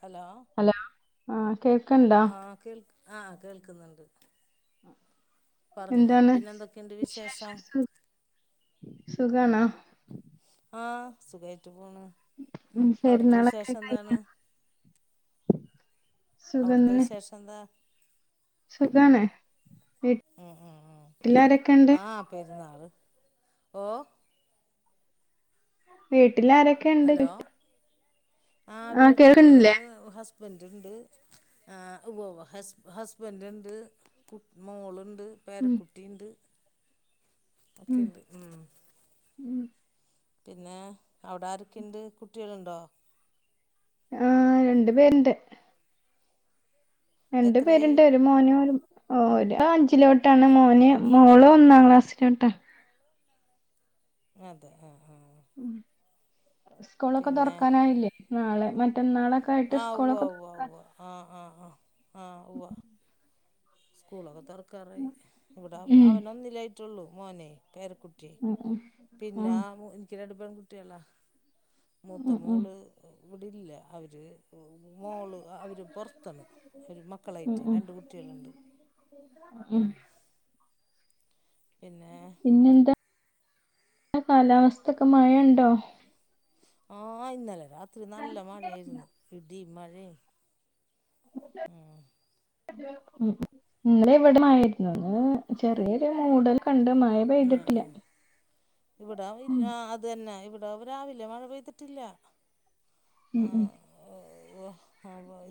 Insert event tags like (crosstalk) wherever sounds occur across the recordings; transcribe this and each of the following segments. Hello hello ആഹ് കേക്കണ്ടാ ആ കേൾ ആ കേൾക്കുന്നുണ്ട്. പറഞ്ഞോ എന്താണ് പിന്നെ എന്തൊക്കെയുണ്ട് വിശേഷം സുഖണോ? ആ സുഖായിട്ട് പോണു. മ് പെരുന്നാളൊക്കെ കഴിഞ്ഞോ. സുഖം തന്നെ. എന്താ സുഖാണ് മ് മ് മ് വീട്ടിലാരൊക്കെ ഉണ്ട് ആ പെരുന്നാള് ഓ വീട്ടിലാരൊക്കെ ഉണ്ട് ഹലോ ആ ആഹ് വീട്ടില് കേൾക്കണില്ലേ ഹസ് ഹസ്ബൻഡ് ണ്ട്ആ ഉവ്വ ഉവ്വ ഹസ് ഹസ്ബൻഡ് ഉണ്ട് കുട്ടി മോളുണ്ട് ഉം പേരക്കുട്ടിണ്ട് ഉം ഒക്കെയുണ്ട് ഉ ഉം പിന്നെ അവിടെ ആരൊക്കെയുണ്ട് കുട്ടിയാളുണ്ടോ ആ രണ്ട് പേരുണ്ട് രണ്ട് എത്രയായി പേരുണ്ട് ഒരു മോന് ഒരു ഒരു അഞ്ചിലോട്ടാണ് മോന് മോള് ഒന്നാം ക്ലാസ്സിലോട്ടാ അതെ ആ ആഹ സ്കൂളൊക്കെ തുറക്കാനായില്ലേ നാളെ മറ്റന്നാള് ആ ഉവ ഉവ ഉവ ആ ആ ആ ആ ഉവ സ്കൂളൊക്കെ തൊറക്കാറായി ഇവിടെ ഉം അവന് ഒന്നില്ലായിട്ടുള്ളൂ മോനെ പേരക്കുട്ടി ഉം പിന്നെ ഉം ഉം എനിക്ക്‌ രണ്ട് പെൺ കുട്ടികളാ മൂത്ത ഉം ഉം മോള് ഇവിടില്ല അവര് മോള് അവര് പുറത്താണ് അവര് ഉം മക്കളായിട്ടെ ഉം രണ്ട് കുട്ടികളുണ്ട് ഉം പിന്നെ പിന്നെന്താ കാലാവസ്ഥക്കെ മഴ ഉണ്ടോ ആ ഇന്നലെ രാത്രി നല്ല മഴയായിരുന്നു ഇടിയും മഴയും ആ ഇന്നലെ ഇവിടെ മഴ ഒക്കെ ഉണ്ടായിരുന്നു. ചെറിയൊരു മൂടൽ കണ്ട് മഴ ആ ആ പെയ്തിട്ടില്ല ഇവിടാ ഉം ഇല്ല അത് തന്നെ ഇവിടെ ഇവിടെ രാവിലെ മഴ പെയ്തിട്ടില്ല ഉം ഉം ഓ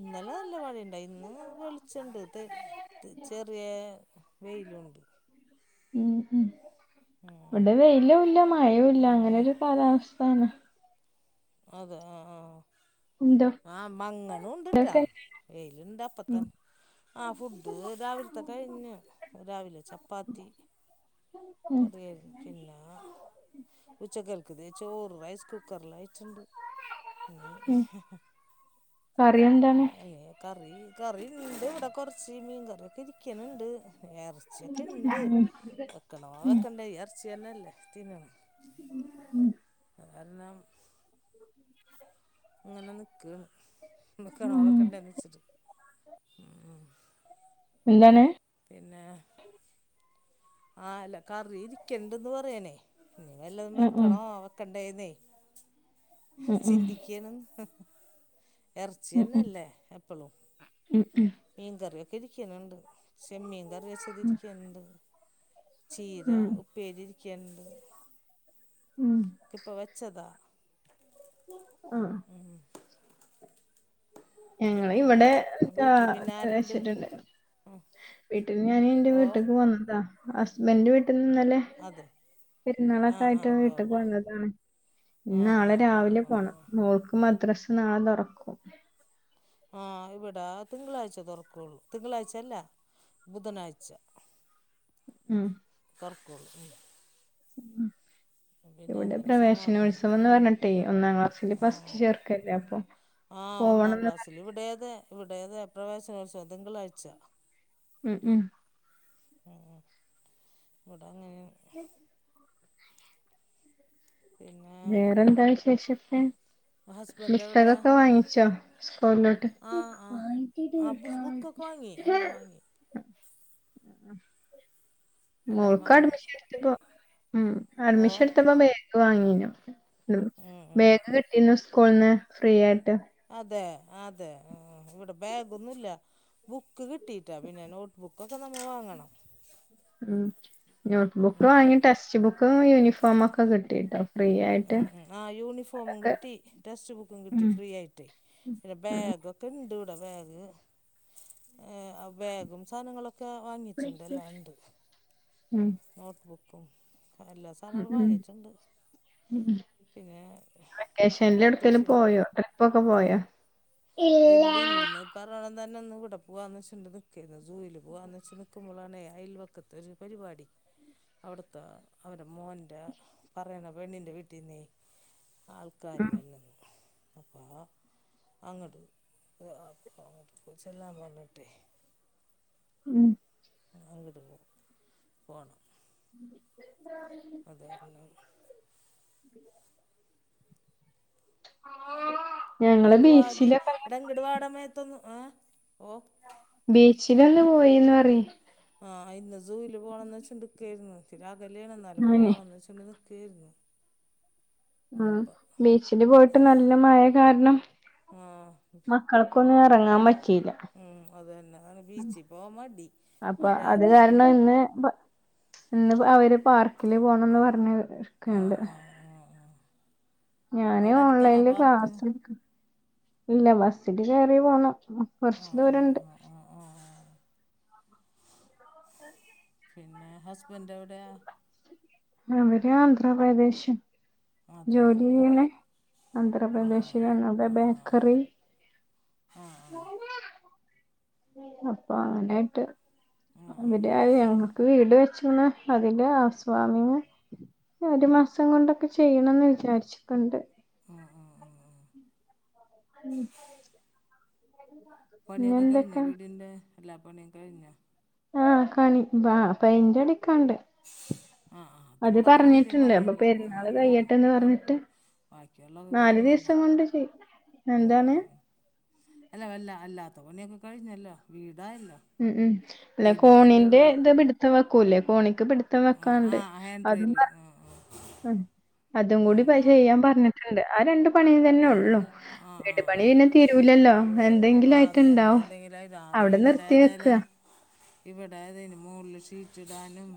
ഇന്നലെ നല്ല മഴയണ്ട് ഇന്ന് വെളിച്ചണ്ട് ചെറിയ വെയിലുണ്ട് ഉം ഉം ഇവിടെ വെയിലും ഇല്ല മഴയുംല്ല പിന്നെ അങ്ങനെരു കാലാവസ്ഥ (unintelligible) അതെ ആ ആഹ് എന്തോ ആ മങ്ങല് ഉണ്ടട്ടാ ഇതൊക്കെ വെയിലുണ്ട് ഉം അപ്പത്തന്നെ ആ ഫുഡ് രാവിലത്തെ കഴിഞ്ഞ് രാവിലെ ചപ്പാത്തി ഉം കാറിയായിരുന്നു പിന്നെ ഉച്ചകല്ത്തെ ചോറ് റൈസ് കുക്കറിൽ വെച്ചുണ്ട് ഇനി ഉം കറി എന്താണ് കറി കറിണ്ട് ഇവിടെ കുറച്ച് മീൻ കറി ഒക്കെ ഇരിക്കുന്ന്ണ്ട് പിന്നെ ഇറച്ചിയൊക്കെ ഇണ്ട് ഉം വെക്കണോ ഉം വെക്കണ്ടെ ഇറച്ചി തന്നെല്ലേ തിന്നണ ഉം അ കാരണം അങ്ങനെ നിക്കാണ് വെക്കണോ ഉം വെക്കണ്ടന്ന് വച്ചിട്ട് ഉം എന്താണ് പിന്നെ ആ അല്ല കറി ഇരിക്കണ്ടന്ന് പറയനേ ഇനി വല്ലതും ഉം ഉം വെക്കണോ വെകണ്ടേന്നേ ഉം ഉം ചിന്തിക്കെണ് എറച്ചി ഉം ഉം തന്നെല്ലേ എപ്പോളും ഉം ഉം മീൻ കറിയൊക്കെ ഇരിക്കുന്നുണ്ട് ചെമ്മീൻ കറി വെച്ചതിരിക്കനുണ്ട് ചീര ഉം ഉം ഉപ്പേരിഇരിക്കണ്ട് ഉം ഇപ്പൊ വെച്ചതാ ആഹ് ആഹ് ഉം ഞങ്ങള് പിന്നെ വീട്ടിൽ പിന്നെ ആരുണ്ട് ഇവിടെച്ചിട്ടുണ്ട് വീട്ടിൽ ഞാൻ എന്റെ ഓ വീട്ടിക്ക് വന്നതാ ഹസ്ബന്ഡന്റെ വീട്ടിൽ ന്നല്ലേ അതെ ആ പെരുന്നാളൊക്കെയിട്ട് ആ ഇട്ട് ഉവ്വ് വീട്ടിക്ക് ഉവ്വ് വന്നതാണ്. ആ ആ നാളെ ആ രാവിലെ ആ പോണം ആ മോൾക്ക് മദ്രസ് നാളെ തുറക്കും. ആഹ് ഇവിട തിങ്കളാഴ്ച തുറക്കുള്ളൂ തിങ്കളാഴ്ചല്ല ബുധനാഴ്ച. ഉം തൊറക്കല്ലു ഉം പിന്നെ ഇവിടെ അതൊരു സമാധാനം പ്രവേശനോത്സവം ന്ന് പറഞ്ഞിട്ടെ ഒന്നാം ക്ലാസ്സില് ഫസ്റ്റ് ചേർക്കല്ലേ അപ്പൊ ആഹ ഒന്നാം പോവണംന്ന് പറ ക്ലാസ്സിൽ ഇവിടേതെ ഇവിടെതെ പ്രവേശനോത്സ വം തിങ്കളാഴ്ച. ഉം ഉം ഉ ഇവിട അങ്ങനെ. പിന്നെ വേറെന്താ വിശേഷക്കെ ഹസ്ബൻഡ് എവിടെയാ പുസ്തകൊക്കെ വാങ്ങിച്ചോ സ്കൂളിന്ന്. ആ ആ ആ വാങ്ങട്ടിട്ടക്ക ബുക്കൊക്കെ വാങ്ങി എല്ലാം വാങ്ങി (unintelligible) എല്ലാം മോക്ക് വാങ്ങി അഡ്മിഷൻ എടുത്തപ്പോ ഉ അഡ്മിഷൻ ഓ എടുത്തപ്പോ ബേഗി വാങ്ങീനു. ഉം ഉം ബേഗ് കിട്ടിരുന്നു സ്കൂളന്ന് ഫ്രീയട്ട്. അതെ അതെ ഇവിടെ ബാഗൊന്നുല്ല. ബുക്ക് കിട്ടിയിട്ടാ പിന്നെ നോട്ട് ബുക്കൊക്കെ നമ്മൾ വാങ്ങണം. ഉം നോട്ട് ബുക്ക് വാങ്ങി ടെക്സ്റ്റ് ബുക്കും യൂനിഫോമോക്കെ കിട്ടിട്ടോ. ഫ്രീ ഉം ആയിട്ട് ഉം ആഹ് യൂണിഫോമും അതൊക്കെ കിട്ടി ടെക്സ്റ്റ് ബുക്കും കിട്ടി ഉം ഫ്രീയായിട്ടേയ് പിന്നെ ഉം ബാഗൊക്കെ ണ്ട്വ്ടെ ബാഗ് ഏഹ് ബാഗും സാധനങ്ങളൊക്കെ ഒക്ക വാങ്ങിട്ടുണ്ട് എല്ലാണ്ട്. ഉം നോട്ട്ബുക്കും എല്ലാ സാ ഉം ഉം ഉം പിന്നെ വെക്കേഷല് യൊട്ക്കെലും ടിഫിൻ പോയോ അട്ട ട്രിപ്പൊക്കെ പോയ? എല്ലിന്ന് പറവണ തന്നെ ന്ന് വ്ടെ പോവാന്ന് വച്ചിട്ട് നിക്കെര്ന്നു സൂയിൽ പോവാന്ന് വെച്ച നിക്കുമ്പളാണ് അയൽപക്കത്തൊരു പരിപാടി അവിടുത്തെ അവരെ മോൻ്റെ പറയണ പെണ്ണിൻ്റെ വീട്ടിന്നെയ് ആൾക്കാാര് ഉം വേര്നത് അപ്പോ അങ്ങട്ട് പൂവാ ച്ചെല്ലാബറഞ്ഞിട്ടെ ഉം അങ്ങിട്ട് ന്ന് പോണം. (inaudible) അതാരണം ഞങ്ങള് ഇങ്ങോട്ട് വാതി ബീച്ചിലക്കെ എടാ ഇങ്ങട് വാടാ മേത്തൊന്നും ഓഹ് ബീച്ചിലൊന്ന് പോയിന്ന് പറെയ് ആഹ് ഇന്ന് സൂയില് പോകണംന്ന് വച്ചോണ്ട് നിക്കര്ന്നു ഇത്തിരി അകലെണ് ന്നാലും അങ്ങനെ പോണന്ന്ച്ചോണ്ട്. നിക്ക് തീർന്നോ. ആഹ് ബീച്ചില് പോയിട്ട് നല്ല മഴ കാരണം. ആ മക്കൾക്കൊന്നും എറങ്ങാൻ പറ്റീല. ഉം അത് തന്നെ അആണ് ബീച്ചി പോകൻ മടി അപ്പൊ മഴ അത് കാരണം. ഇന്ന് ബ ഇന്ന് അവര് പാർക്കില് പോണംന്ന് പറഞ് ആ നിക്ക്ണ്ട്. ആ ആ ആ ഞാന് അവിടെ അടുത്താണോ ഓൺലൈനില് പാർക്ക് ക്ലാസ്സ്ട്ക്ക്ണ്ട് ഇല്ല ബസില് കെറി പോണം കുറച്ച് ദൂരണ്ട്. ആഹ് ആഹ് ആഹ് (inaudible) പിന്നെ ഹസ്ബൻഡ് എവിടെയ? അവര് ആന്ധ്രാപ്രദേശ അതെ ആ ജോലിയ്യ്ണ് ആ ആ ആന്ധ്രാപ്രദേശിലാണ് അവ്ടെ ബേക്കറില ആഹ് ആഹ് അപ്പൊ അങ്ങനായിട്ട് ആ അവടയാലും ഞങ്ങക്ക് വീട് വെച്ച്ണ് അതിന്റെ ആവ്സ്വാമിങ് ഒരു മാസം കൊണ്ടൊക്കെ ചെയ്യണമ്ന്ന് വിചാരിച്ച്ക്ക്ണ്ട് ഉം ഉം ഉം പണിയൊക്കെ കഴിഞ്ഞ വീടിന്റെ എല്ലാ പണിയും കഴിഞ്ഞോ ആഹ് കണി ബാ പെയ്ന്റടിക്കാണ്ട് ആഹ് ആഹ് അതിപ്പോ അത്ര വെല്ല്യ അപ്പൊ പണിയല്ല ആഹ് പെരുന്നാള് ആഹ് കഴിയട്ടെന്ന് പറഞ്ഞിട്ട് കൊഴപ്പല്ല ബാക്കിയുള്ള ക്കെ നാല് കഴിഞ്ഞല്ലോ ദിവസം കൊണ്ട് ചെയ്യും ഉം എന്താണ് ഉം അല്ല വല്ല അല്ലാത്ത പണിയൊക്കെ കഴിഞ്ഞല്ലോ വീടായല്ലോ ഉം ഉം അല്ല പെയിൻറിങ് അല്ലേ കോണിന്റെ ഉള്ളൂ ഇത് പിടുത്ത വെക്കൂല്ലേ കോണിക്ക് പിടുത്ത പിടുത്തം ആ വെക്കാണ്ട് ആ ഹാൻഡ് അതും റെയില് ബ ആ അതും ആ കൂടി പ ചെയ്യാൻ പറഞ്ഞിട്ടുണ്ട് ആ രണ്ടു പണി തന്നെ ആ ആ ഉള്ളൂ ആ ആ ആ വീട് പണി ആ പിന്നെ തീരൂലല്ലോ എന്തെങ്കിലും ആ അതന്നെ ആയിട്ട്ണ്ടാവും എന്തെങ്കിലും ആയി അതെ അവിടെ ഇവിടെ നിർത്തി വെക്ക ഏതായാലും ഇവിടെ അതിന് മോളിൽ ഷീറ്റിടാനും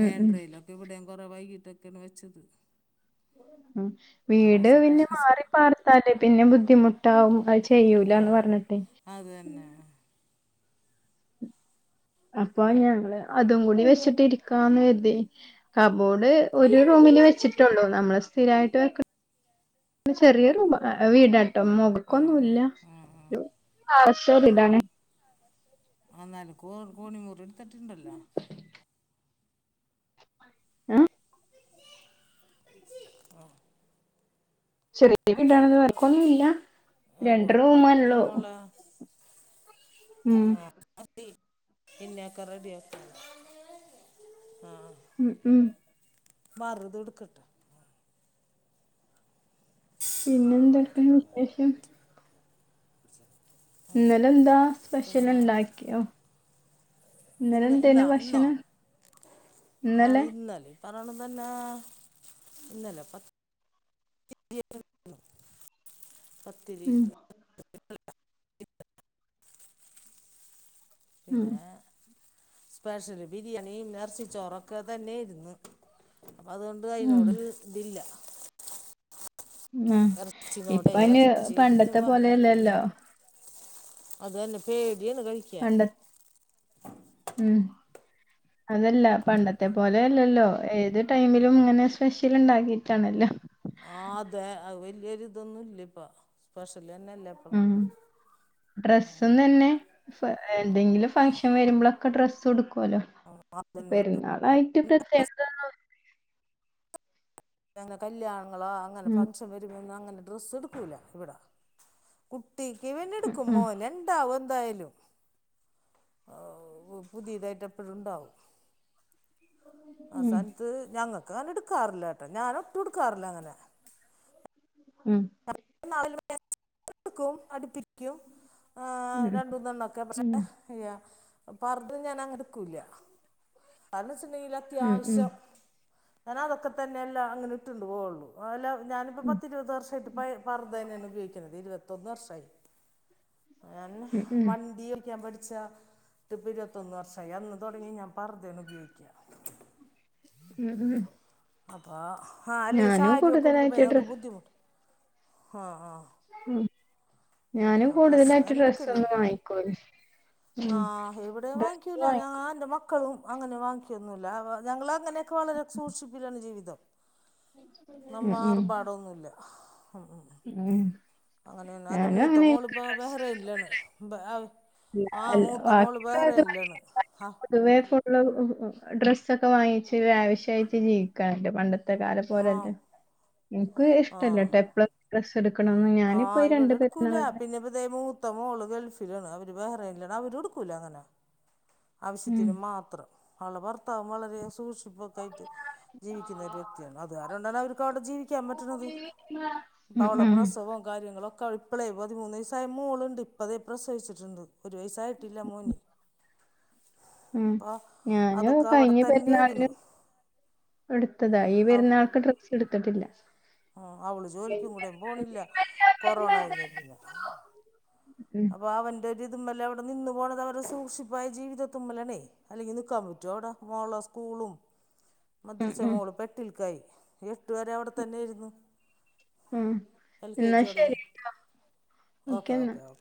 ഉം ഉം ഹേഡ്രയി ഇവിടേം കൊറേ വൈകിട്ടൊക്കെയാണ് വെച്ചത് ഉം വീട് കുറേശ്ശെ പിന്നെ കുറേശ്ശെ മാറി പാർത്താലേ പിന്നെ ബുദ്ധിമുട്ടാവും ഐ ചെയ്യൂലാന്ന് പറഞ്ഞിട്ടേ അതന്നെ അപ്പൊ ഞങ്ങള് അതും കൂടി വെച്ചിട്ടിരിക്കാന്ന് കരുതി കബോഡ് ആ ഒരു ആ റൂമില് വെച്ചിട്ട് ട്ടൊള്ളു നമ്മൾ സ്ഥിരമായിട്ട് വക്ക് ചെറിയ റൂമ വീട ട്ട ആ മോകൾക്കൊന്നുല്ല ആ ആ (unintelligible) വീടാണ് ആ നെനക്കും ഓർക്കൂടി മുറി (unintelligible) എ (inaudible) ചെറിയ വീടാണത് വർക്കൊന്നുംല്ല ആവോ രണ്ട് കുഴപ്പമില്ല റൂമാള്ളു ആഹ് അ തി പിന്നെ ഒക്കെ റെഡിയാക്കാലോ ആ ഉം ഉം മറുത്ട് ക്ക്ട്ടോ പിന്നെ എന്തക്കാണ് വിശേഷം ഇന്നലെന്താ സ്പെഷ്യൽ പിന്നെ ഉണ്ടാക്കിയോ ഇന്നല ഇന്ന് എന്തേനി ഇന്നാ ഇന്നോ ഭക്ഷണം ഇന്നലേ പറയണ തന്നെ ഇന്നല്ലേ പ (unintelligible) പത്തിരി ഉം ഉം പിന്നെ സ്പെഷ്യല് ബിരിയാണിയും ഇറച്ചി ച്ചോറൊക്കെ തന്നെ ആയിരുന്നു അപ്പൊ അതുകൊണ്ട് ഉം അയിതിനോട് ഇതില്ല ഉം എറച്ചി നോട് ഇപ്പ അയിന് എറച്ചി പണ്ടത്തെ തിന്നുമ്പോ പോലെയല്ലല്ലോ അതന്നെ പേടിയണ് കഴിക്ക പണ്ട ഉം അതല്ല പണ്ടത്തെ പോലെ അല്ലല്ലോ ഏത് ടൈമിലും ങ്ങനെ സ്പെഷ്യൽ ണ്ടാക്കിട്ടാണല്ലോ ആ അതെ അയ് വല്യരു ഇതൊന്നുംല്ല പ്പ സ്പെഷ്യൽ തന്നെല്ല ഉം ഡ്രസും തന്നെ എന്തെങ്കിലും ഫംഗഷൻ വരുമ്പോളോക്കെ ഡ്രസ്സ് എടുക്കുവല്ലോ അതന്നെ പെരുന്നാൾ യിട്ടു പ്രത്യേകത അങ്ങനെ കല്യാണങ്ങളാ അങ്ങനെ ഉം ഫങ്ഷൻ വരുമ്പോ അങ്ങനെ ഡ്രസ്സ് എടുക്കൂല ഇവിടെ കുട്ടിക്ക് വന്നെടുക്കും ഉം മോൻ ണ്ടാവും എന്തായാലും ആ പുതിയതായിട്ട് എപ്പഴും ഉണ്ടാവും ആ ഉം ഉം സ ത് ഞങ്ങൾക്ക്ങ്ങനെ ഇട്ക്കാറില്ലേട്ടോ ഞാൻ ഒട്ടും ഇട്ക്കാറില്ല അങ്ങനെ ഉം (unintelligible) അടിപ്പിക്കും ഏ ഉം, രണ്ടുമൂന്നൊണ്ണൊക്കെ ഉം, ഹയ്യാ പർദ്ദ ഞാൻ അങ്ങെനെ എടുക്കൂല്ല കാരന്ന് വെച്ചിട്ട്ണ്ടെങ്കില് ഉം, ഉം, അത്യാവശ്യം തരാള്ളൊക്കെ തന്നേണ്ല്ലോ അങ്ങനെ ഇട്ടൂണ്ട് പോവൊള്ളു ഓല്ലേ ഞാനിപ്പ ഉം, പത്തിരുവത് വർഷായിട്ട് പയേ പർദ്ദന്നേണ് ഉപയോഗിക്കുന്നത് ഇരുവത്തൊന്ന് വർഷായി ഞാൻ ഉം, വണ്ടി ഓടിക്കാൻ പഠിച്ചാ ഇത്പ്പോ ഇരുവത്തൊന്ന് വർഷായി അന്ന് തുടങ്ങി ഞാൻ പർദ്ദേണ് ഉപയോഗിയ്ക്കാ ഉം ഉം അപ്പോ ആഹ് അല്ലേ ഞാനും സാരി ഒക്കെ ഉടുക്കുമ്പോ കൂടുതലായിട്ട് എല്ലാർക്ക് ഡ്രസ് ബുദ്ധിമുട്ട് ആഹ് ആഹ് ഉം ഞാനും ഡ്രസ്സ് കൂടുതലായിട്ട് അങ്ങനെ എടുക്കലില്ല ഡ്രസ്സൊന്നും വാങ്ങിക്കൂല ഉം ആഹ് ഇവിടേം വാങ്ങിക്കൂല ഞാൻ എന്റെ മ ക്കളും അങ്ങനെ വാങ്ങിക്കൊന്നുല്ല വ ഞങ്ങള് അങ്ങനൊക്കെ വളരെ സൂക്ഷിപ്പില്ലാണ് ജീവിതം നമ്മ ഉം, ഉം, ആർബാടൊന്നുല്ല ഉം ഉം ഉം അങ്ങനെന്നുല്ല എന്റെ ഞാനും മൂത്ത അങ്ങനെ എനിക്ക് മോളിപ്പോ ഡ്രസ് ബെഹറേനിലാണ് ബ അല്ല ആഹ് അല്ല മൂത്ത മോള് ബെഹറേനിലാണ് ആഹ് പൊതുവേ (unintelligible) ഡ്രസ്സൊക്കെ വാങ്ങിച്ച് ലാവിഷായിറ്റ് ജീവിക്കാണ്ട് പണ്ട ത്തെ കാലം ആഹ് പോലല്ലേ എനിക്ക് ആഹ് ഇഷ്ടല്ലട്ടോ എപ്പളും ഡ്രസ്സ്‌ എടുക്കണോന്നും ആഹ് ഇവടെ എടുക്കൂലാ പിന്നെ അതേ മൂത്ത മോള് ഗൾഫിലാണ് അവര് ബെഹറേനിലാണ് അവരും എടുക്കൂല അങ്ങനെ ഉം ആവശ്യത്തിന് മാത്രം ആളെ ഭർത്താവും വളരെ സൂക്ഷിപ്പൊക്കെ ആയിറ്റ് ജീവിക്കുന്ന ഒരു വ്യക്തിയാണ് അത് കാരണം അവര്ക്ക് അവടെ ജീവി ക്കാൻ പറ്റണത് ഇപ്പം ഉം അവളെ ഉം പ്രസവും കാര്യങ്ങളൊക്കെ അവള് ഇപ്പളേ പതിമൂന്ന് വയസ്സായ മോളിണ്ട് ഇപ്പതേ പ്രസവിച്ചിട്ട്ണ്ട് ഒരു വയസ്സായിട്ടില്ല മോന് ഉം അപ്പോൾ ഞാനും അതൊക്കെ അവിടെ കയിഞ്ഞ തന്നെ ഇരുന്നു പെരുന്നാളിന് എടുത്തതാ ഈ പെരുന്നാൾക്ക് ഡ്രസ്സ്‌ എടുത്തട്ടില്ല ആഹ് അവള് ജോലിക്കും കൂടെയും പോണില്ല കൊറോണ കഴിഞ്ഞേ പിന്നേ ഉം ഇപ്പൊ അവന്റെ ഒരു ഇതുമ്മലവടെ നിന്നു പോണത് അവരെ സൂക്ഷിപ്പായ ജീവിതത്തുമ്മലാണേ അല്ലെങ്കി നിക്കാൻ പറ്റോ അവടെ മോളെ സ്കൂളും ഉം മദ്രസ ഉം മോളിപ്പ എട്ടിൽക്കായി ഈ എട്ട് വരെ അവടെ തന്നെ ആയിരുന്നു ഉം. എൽ കെ എന്നാ ജി ശരി ഒടങ്ങി കേട്ടോ ഓക്കെ ഓക്കേ എന്നാ ഓക്കേ ഓ